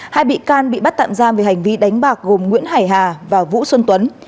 hai bị can bị bắt tạm giam về hành vi đánh bạc gồm nguyễn hải hà và vũ xuân tuấn